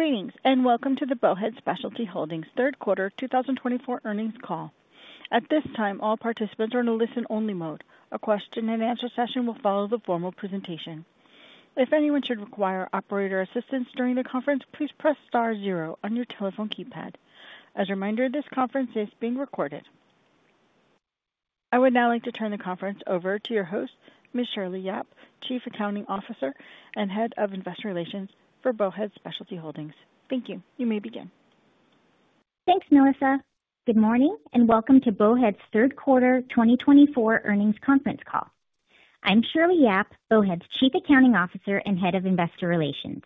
Greetings and welcome to the Bowhead Specialty Holdings' third quarter 2024 earnings call. At this time, all participants are in a listen-only mode. A question-and-answer session will follow the formal presentation. If anyone should require operator assistance during the conference, please press star zero on your telephone keypad. As a reminder, this conference is being recorded. I would now like to turn the conference over to your host, Ms. Shirley Yap, Chief Accounting Officer and Head of Investor Relations for Bowhead Specialty Holdings. Thank you. You may begin. Thanks, Melissa. Good morning and welcome to Bowhead's third quarter 2024 earnings conference call. I'm Shirley Yap, Bowhead's Chief Accounting Officer and Head of Investor Relations.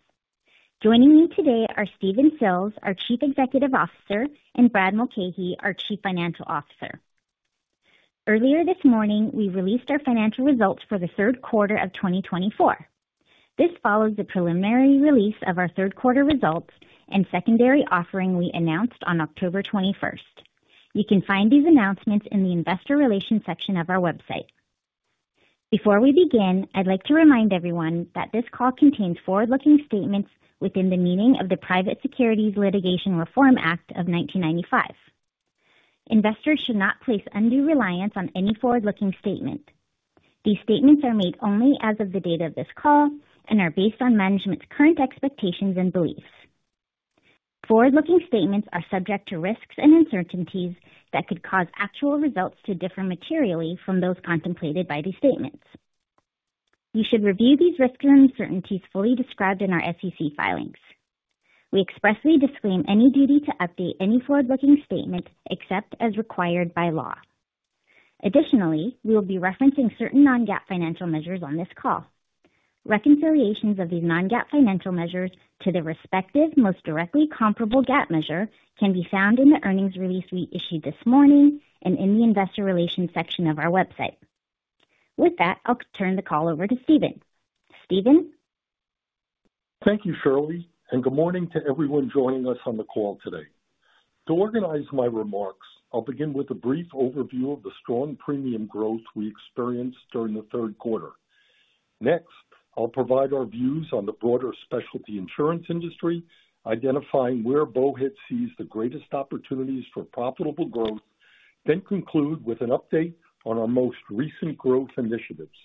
Joining me today are Stephen Sills, our Chief Executive Officer, and Brad Mulcahey, our Chief Financial Officer. Earlier this morning, we released our financial results for the third quarter of 2024. This follows the preliminary release of our third quarter results and secondary offering we announced on October 21st. You can find these announcements in the Investor Relations section of our website. Before we begin, I'd like to remind everyone that this call contains forward-looking statements within the meaning of the Private Securities Litigation Reform Act of 1995. Investors should not place undue reliance on any forward-looking statement. These statements are made only as of the date of this call and are based on management's current expectations and beliefs. Forward-looking statements are subject to risks and uncertainties that could cause actual results to differ materially from those contemplated by these statements. You should review these risks and uncertainties fully described in our SEC filings. We expressly disclaim any duty to update any forward-looking statement except as required by law. Additionally, we will be referencing certain non-GAAP financial measures on this call. Reconciliations of these non-GAAP financial measures to the respective most directly comparable GAAP measure can be found in the earnings release we issued this morning and in the Investor Relations section of our website. With that, I'll turn the call over to Stephen. Stephen? Thank you, Shirley, and good morning to everyone joining us on the call today. To organize my remarks, I'll begin with a brief overview of the strong premium growth we experienced during the third quarter. Next, I'll provide our views on the broader specialty insurance industry, identifying where Bowhead sees the greatest opportunities for profitable growth, then conclude with an update on our most recent growth initiatives.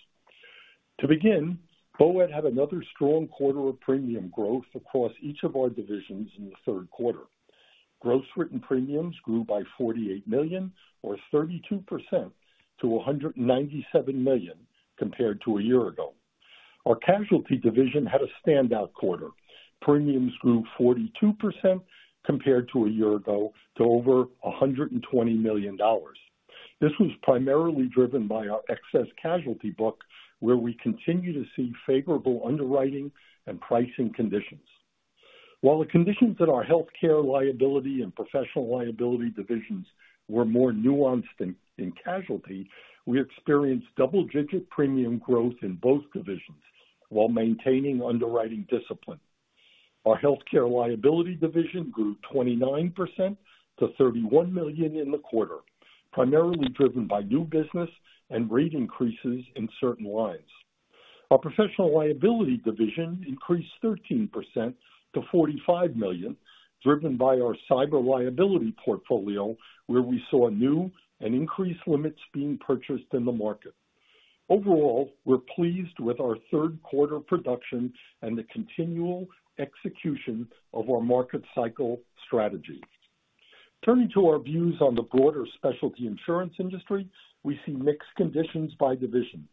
To begin, Bowhead had another strong quarter of premium growth across each of our divisions in the third quarter. Gross written premiums grew by $48 million, or 32%, to $197 million compared to a year ago. Our casualty division had a standout quarter. Premiums grew 42% compared to a year ago to over $120 million. This was primarily driven by our excess casualty book, where we continue to see favorable underwriting and pricing conditions. While the conditions in our healthcare liability and professional liability divisions were more nuanced in casualty, we experienced double-digit premium growth in both divisions while maintaining underwriting discipline. Our healthcare liability division grew 29% to $31 million in the quarter, primarily driven by new business and rate increases in certain lines. Our professional liability division increased 13% to $45 million, driven by our cyber liability portfolio, where we saw new and increased limits being purchased in the market. Overall, we're pleased with our third quarter production and the continual execution of our market cycle strategy. Turning to our views on the broader specialty insurance industry, we see mixed conditions by division: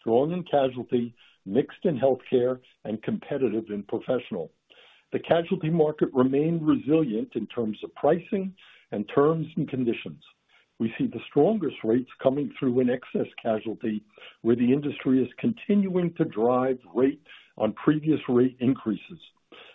strong in casualty, mixed in healthcare, and competitive in professional. The casualty market remained resilient in terms of pricing and terms and conditions. We see the strongest rates coming through in excess casualty, where the industry is continuing to drive rate on previous rate increases.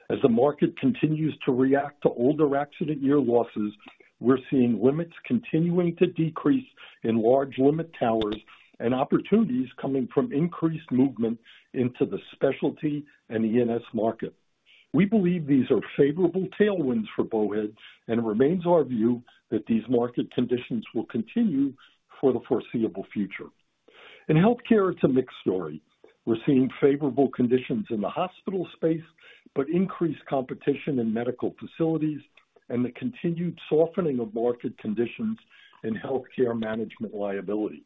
As the market continues to react to older accident-year losses, we're seeing limits continuing to decrease in large limit towers and opportunities coming from increased movement into the specialty and E&S market. We believe these are favorable tailwinds for Bowhead and remain our view that these market conditions will continue for the foreseeable future. In healthcare, it's a mixed story. We're seeing favorable conditions in the hospital space, but increased competition in medical facilities and the continued softening of market conditions in healthcare management liability.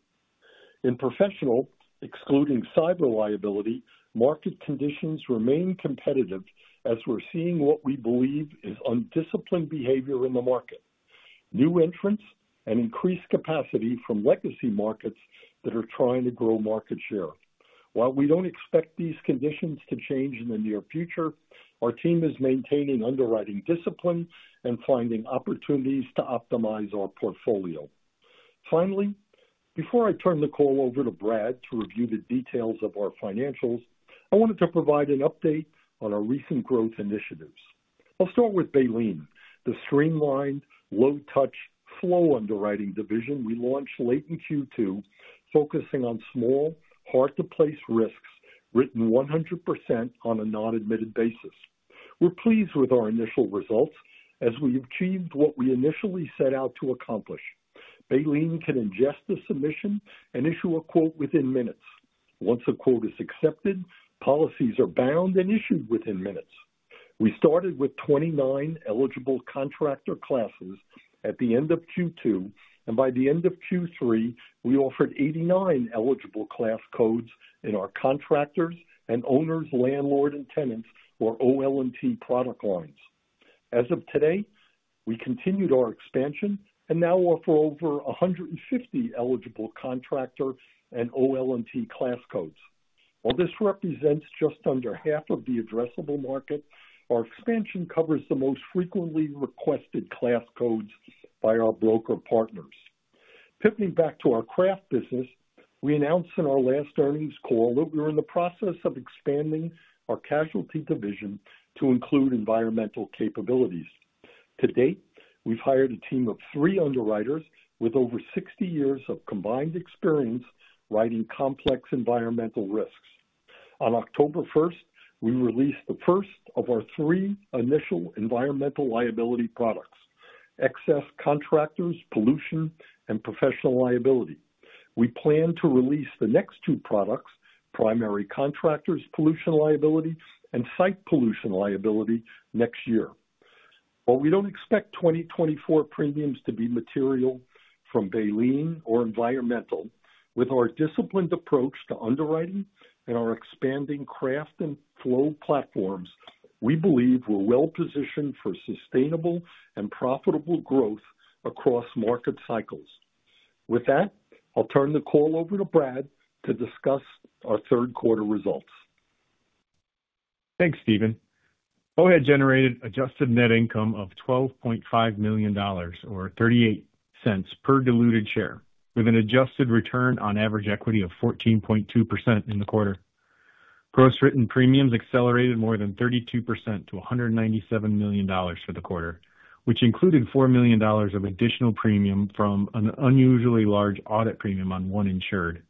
In professional, excluding cyber liability, market conditions remain competitive as we're seeing what we believe is undisciplined behavior in the market: new entrants and increased capacity from legacy markets that are trying to grow market share. While we don't expect these conditions to change in the near future, our team is maintaining underwriting discipline and finding opportunities to optimize our portfolio. Finally, before I turn the call over to Brad to review the details of our financials, I wanted to provide an update on our recent growth initiatives. I'll start with Baleen, the streamlined, low-touch flow underwriting division we launched late in Q2, focusing on small, hard-to-place risks written 100% on a non-admitted basis. We're pleased with our initial results as we've achieved what we initially set out to accomplish. Baleen can ingest the submission and issue a quote within minutes. Once a quote is accepted, policies are bound and issued within minutes. We started with 29 eligible contractor classes at the end of Q2, and by the end of Q3, we offered 89 eligible class codes in our contractors and owners, landlords, and tenants or OL&T product lines. As of today, we continued our expansion and now offer over 150 eligible contractor and OL&T class codes. While this represents just under half of the addressable market, our expansion covers the most frequently requested class codes by our broker partners. Pivoting back to our craft business, we announced in our last earnings call that we're in the process of expanding our casualty division to include environmental capabilities. To date, we've hired a team of three underwriters with over 60 years of combined experience writing complex environmental risks. On October 1st, we released the first of our three initial environmental liability products: Excess Contractors Pollution and Professional Liability. We plan to release the next two products, Primary Contractors Pollution Liability and Site Pollution Liability, next year. While we don't expect 2024 premiums to be material from Baleen or environmental, with our disciplined approach to underwriting and our expanding craft and flow platforms, we believe we're well-positioned for sustainable and profitable growth across market cycles. With that, I'll turn the call over to Brad to discuss our third quarter results. Thanks, Stephen. Bowhead generated adjusted net income of $12.5 million, or $0.38 per diluted share, with an adjusted return on average equity of 14.2% in the quarter. Gross written premiums accelerated more than 32% to $197 million for the quarter, which included $4 million of additional premium from an unusually large audit premium on one insured.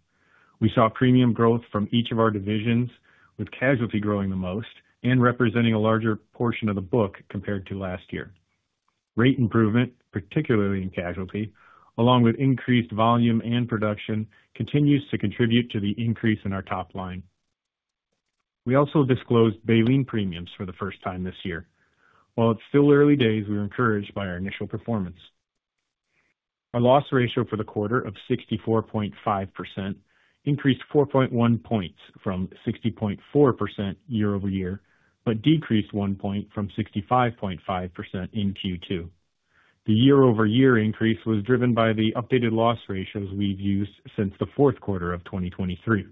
We saw premium growth from each of our divisions, with casualty growing the most and representing a larger portion of the book compared to last year. Rate improvement, particularly in casualty, along with increased volume and production, continues to contribute to the increase in our top line. We also disclosed Baleen premiums for the first time this year. While it's still early days, we're encouraged by our initial performance. Our loss ratio for the quarter of 64.5% increased 4.1 points from 60.4% year-over-year, but decreased 1 point from 65.5% in Q2. The year-over-year increase was driven by the updated loss ratios we've used since the fourth quarter of 2023.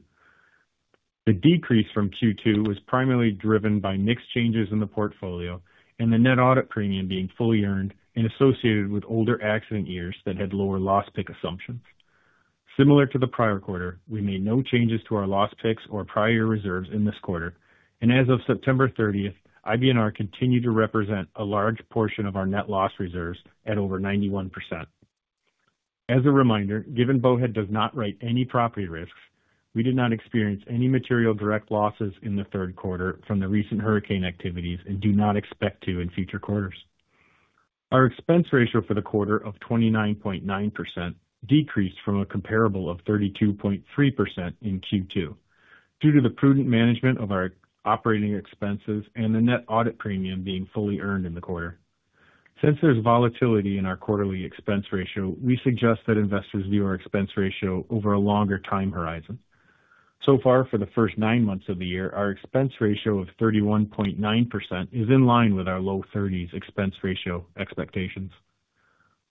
The decrease from Q2 was primarily driven by mixed changes in the portfolio and the net audit premium being fully earned and associated with older accident years that had lower loss pick assumptions. Similar to the prior quarter, we made no changes to our loss picks or prior reserves in this quarter, and as of September 30th, IBNR continued to represent a large portion of our net loss reserves at over 91%. As a reminder, given Bowhead does not write any property risks, we did not experience any material direct losses in the third quarter from the recent hurricane activities and do not expect to in future quarters. Our expense ratio for the quarter of 29.9% decreased from a comparable of 32.3% in Q2 due to the prudent management of our operating expenses and the net audit premium being fully earned in the quarter. Since there's volatility in our quarterly expense ratio, we suggest that investors view our expense ratio over a longer time horizon. So far, for the first nine months of the year, our expense ratio of 31.9% is in line with our low 30s expense ratio expectations.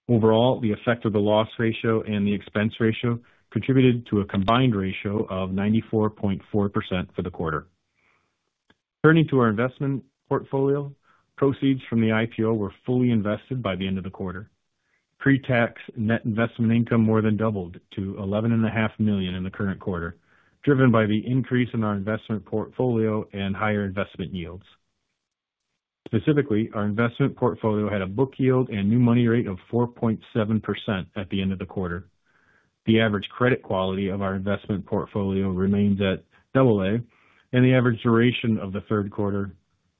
Overall, the effect of the loss ratio and the expense ratio contributed to a combined ratio of 94.4% for the quarter. Turning to our investment portfolio, proceeds from the IPO were fully invested by the end of the quarter. Pre-tax net investment income more than doubled to $11.5 million in the current quarter, driven by the increase in our investment portfolio and higher investment yields. Specifically, our investment portfolio had a book yield and new money rate of 4.7% at the end of the quarter. The average credit quality of our investment portfolio remains at AA, and the average duration of the third quarter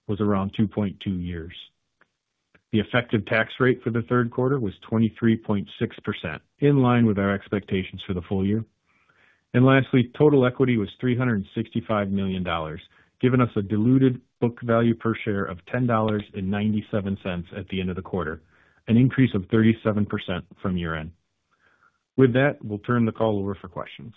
was around 2.2 years. The effective tax rate for the third quarter was 23.6%, in line with our expectations for the full year. And lastly, total equity was $365 million, giving us a diluted book value per share of $10.97 at the end of the quarter, an increase of 37% from year-end. With that, we'll turn the call over for questions.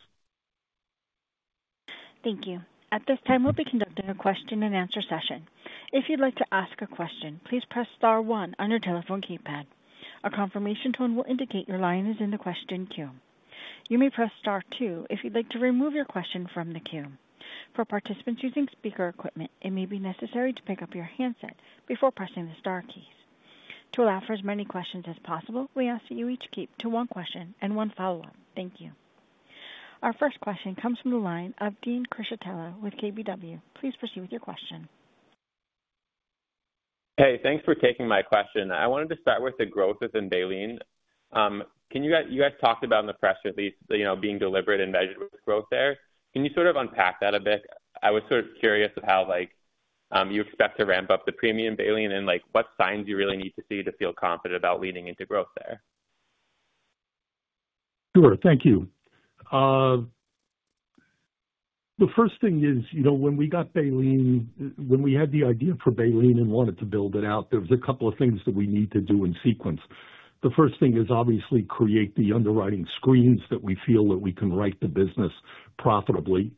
Thank you. At this time, we'll be conducting a question-and-answer session. If you'd like to ask a question, please press star one on your telephone keypad. A confirmation tone will indicate your line is in the question queue. You may press star two if you'd like to remove your question from the queue. For participants using speaker equipment, it may be necessary to pick up your handset before pressing the star keys. To allow for as many questions as possible, we ask that you each keep to one question and one follow-up. Thank you. Our first question comes from the line of Dean Criscitiello with KBW. Please proceed with your question. Hey, thanks for taking my question. I wanted to start with the growth within Baleen. You guys talked about in the press release being deliberate and measured with growth there. Can you sort of unpack that a bit? I was sort of curious of how you expect to ramp up the premium Baleen and what signs you really need to see to feel confident about leaning into growth there. Sure, thank you. The first thing is, when we got Baleen, when we had the idea for Baleen and wanted to build it out, there were a couple of things that we need to do in sequence. The first thing is, obviously, create the underwriting screens that we feel that we can write the business profitably.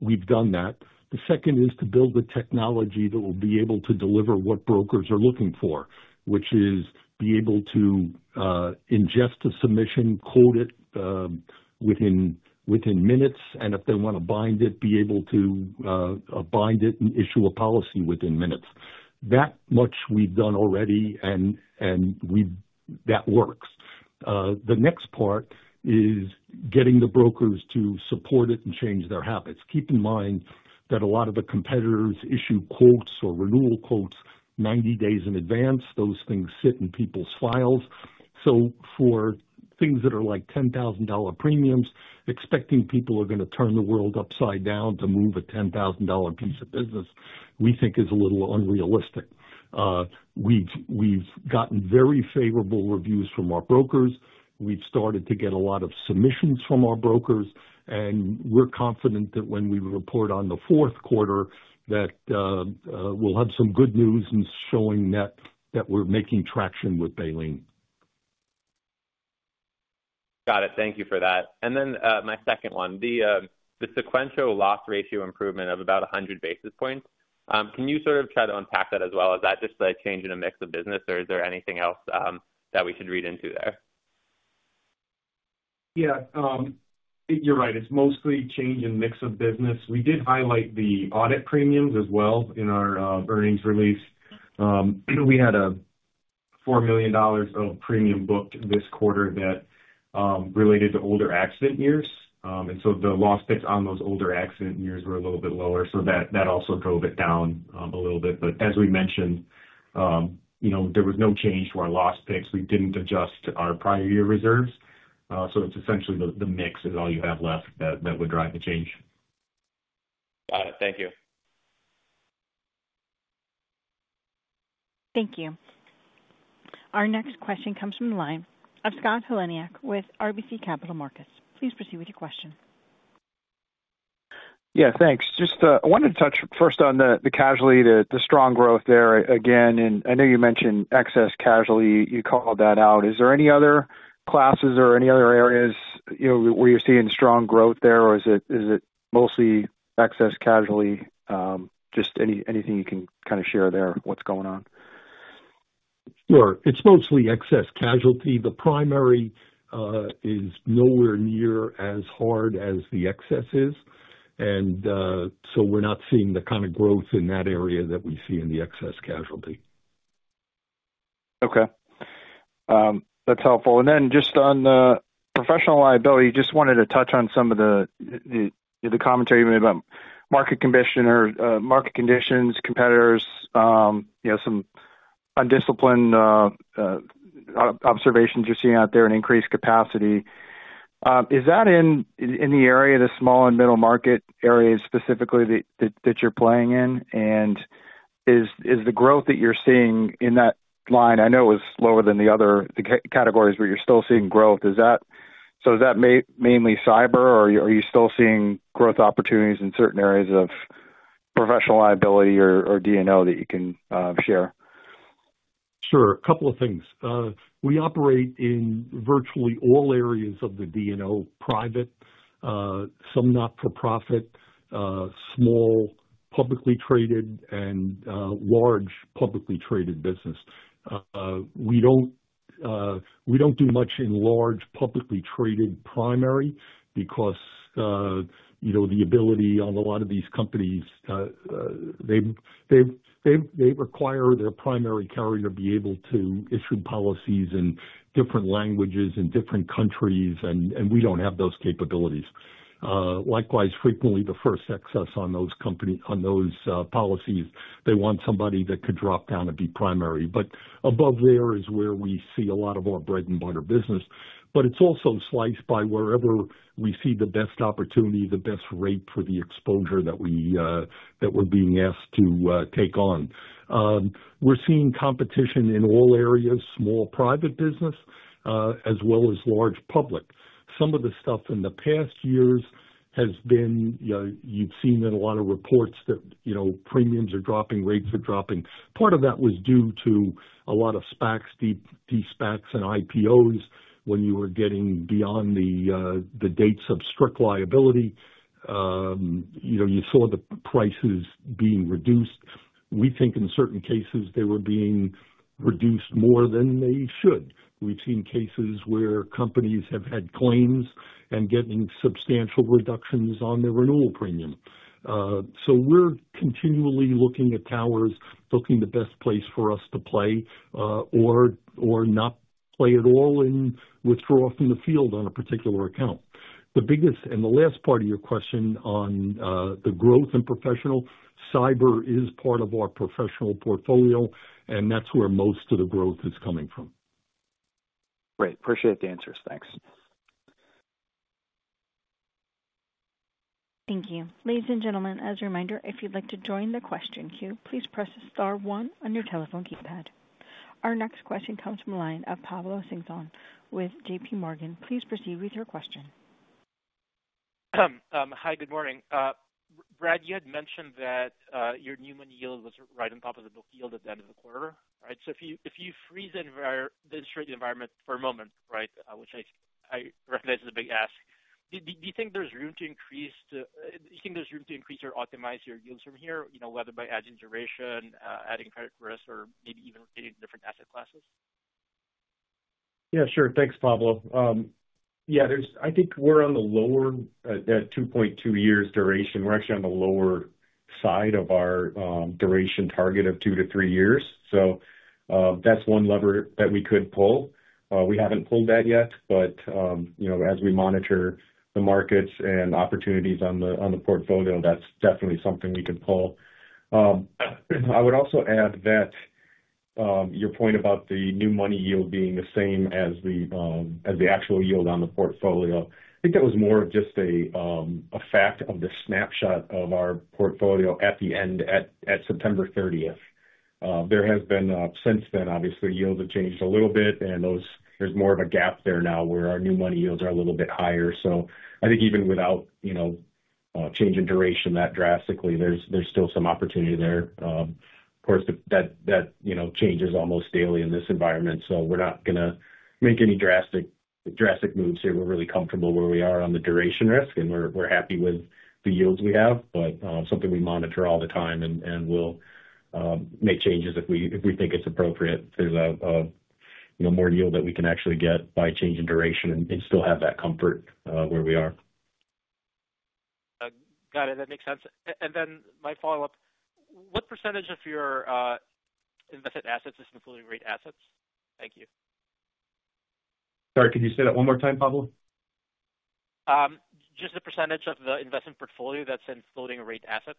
We've done that. The second is to build the technology that will be able to deliver what brokers are looking for, which is be able to ingest a submission, quote it within minutes, and if they want to bind it, be able to bind it and issue a policy within minutes. That much we've done already, and that works. The next part is getting the brokers to support it and change their habits. Keep in mind that a lot of the competitors issue quotes or renewal quotes 90 days in advance. Those things sit in people's files. So for things that are like $10,000 premiums, expecting people are going to turn the world upside down to move a $10,000 piece of business, we think is a little unrealistic. We've gotten very favorable reviews from our brokers. We've started to get a lot of submissions from our brokers, and we're confident that when we report on the fourth quarter, we'll have some good news in showing that we're making traction with Baleen. Got it. Thank you for that. And then my second one, the sequential loss ratio improvement of about 100 basis points. Can you sort of try to unpack that as well? Is that just a change in a mix of business, or is there anything else that we should read into there? Yeah, you're right. It's mostly change in mix of business. We did highlight the audit premiums as well in our earnings release. We had a $4 million of premium booked this quarter that related to older accident years, and so the loss picks on those older accident years were a little bit lower, so that also drove it down a little bit, but as we mentioned, there was no change to our loss picks. We didn't adjust our prior year reserves, so it's essentially the mix is all you have left that would drive the change. Got it. Thank you. Thank you. Our next question comes from the line of Scott Heleniak with RBC Capital Markets. Please proceed with your question. Yeah, thanks. Just, I wanted to touch first on the casualty, the strong growth there again and I know you mentioned excess casualty. You called that out. Is there any other classes or any other areas where you're seeing strong growth there, or is it mostly excess casualty? Just anything you can kind of share there, what's going on? Sure. It's mostly excess casualty. The primary is nowhere near as hard as the excess is, and so we're not seeing the kind of growth in that area that we see in the excess casualty. Okay. That's helpful. And then just on the professional liability, just wanted to touch on some of the commentary you made about market conditions, competitors, some undisciplined observations you're seeing out there, and increased capacity. Is that in the area, the small and middle market areas specifically that you're playing in? And is the growth that you're seeing in that line—I know it was lower than the other categories, but you're still seeing growth. So is that mainly cyber, or are you still seeing growth opportunities in certain areas of professional liability or D&O that you can share? Sure. A couple of things. We operate in virtually all areas of the D&O: private, some not-for-profit, small publicly traded, and large publicly traded business. We don't do much in large publicly traded primary because the ability on a lot of these companies, they require their primary carrier to be able to issue policies in different languages in different countries, and we don't have those capabilities. Likewise, frequently, the first excess on those policies, they want somebody that could drop down and be primary. But above there is where we see a lot of our bread-and-butter business. But it's also sliced by wherever we see the best opportunity, the best rate for the exposure that we're being asked to take on. We're seeing competition in all areas: small private business as well as large public. Some of the stuff in the past years has been. You've seen in a lot of reports that premiums are dropping, rates are dropping. Part of that was due to a lot of SPACs, de-SPACs, and IPOs. When you were getting beyond the dates of strict liability, you saw the prices being reduced. We think in certain cases, they were being reduced more than they should. We've seen cases where companies have had claims and getting substantial reductions on their renewal premium. So we're continually looking at towers, looking the best place for us to play or not play at all and withdraw from the field on a particular account. The biggest and the last part of your question on the growth and professional cyber is part of our professional portfolio, and that's where most of the growth is coming from. Great. Appreciate the answers. Thanks. Thank you. Ladies and gentlemen, as a reminder, if you'd like to join the question queue, please press star one on your telephone keypad. Our next question comes from the line of Pablo Singzon with J.P. Morgan. Please proceed with your question. Hi, good morning. Brad, you had mentioned that your new money yield was right on top of the book yield at the end of the quarter. So if you freeze the rate environment for a moment, which I recognize is a big ask, do you think there's room to increase or optimize your yields from here, whether by adding duration, adding credit risk, or maybe even creating different asset classes? Yeah, sure. Thanks, Pablo. Yeah, I think we're on the lower at 2.2 years duration. We're actually on the lower side of our duration target of two to three years. So that's one lever that we could pull. We haven't pulled that yet, but as we monitor the markets and opportunities on the portfolio, that's definitely something we can pull. I would also add that your point about the new money yield being the same as the actual yield on the portfolio, I think that was more of just a fact of the snapshot of our portfolio at the end at September 30th. There has been since then, obviously, yields have changed a little bit, and there's more of a gap there now where our new money yields are a little bit higher. So I think even without changing duration that drastically, there's still some opportunity there. Of course, that changes almost daily in this environment. So we're not going to make any drastic moves here. We're really comfortable where we are on the duration risk, and we're happy with the yields we have, but something we monitor all the time, and we'll make changes if we think it's appropriate if there's more yield that we can actually get by changing duration and still have that comfort where we are. Got it. That makes sense, and then my follow-up: what percentage of your invested assets is in floating rate assets? Thank you. Sorry, could you say that one more time, Pablo? Just the percentage of the investment portfolio that's in floating rate assets?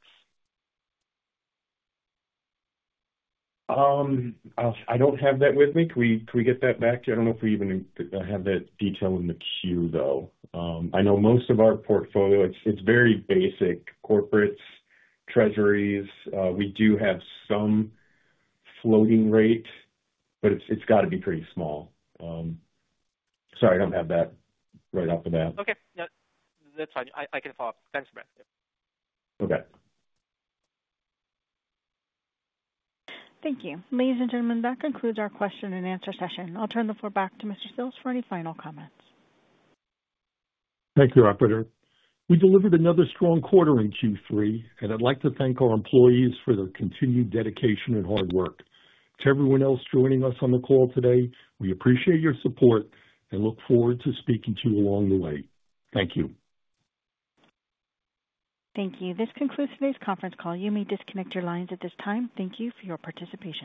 I don't have that with me. Can we get that back to you? I don't know if we even have that detail in the queue, though. I know most of our portfolio, it's very basic: corporates, treasuries. We do have some floating rate, but it's got to be pretty small. Sorry, I don't have that right off the bat. Okay. That's fine. I can follow up. Thanks, Brad. Okay. Thank you. Ladies and gentlemen, that concludes our question-and-answer session. I'll turn the floor back to Mr. Sills for any final comments. Thank you, operator. We delivered another strong quarter in Q3, and I'd like to thank our employees for their continued dedication and hard work. To everyone else joining us on the call today, we appreciate your support and look forward to speaking to you along the way. Thank you. Thank you. This concludes today's conference call. You may disconnect your lines at this time. Thank you for your participation.